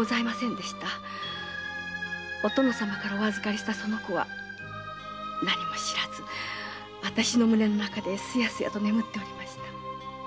お殿様からお預かりしたその子は何も知らず私の胸の中でスヤスヤと眠っておりました。